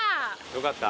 よかった？